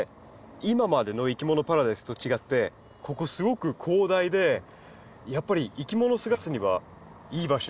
今までの「いきものパラダイス」と違ってここすごく広大でやっぱりいきもの探すにはいい場所じゃないですか？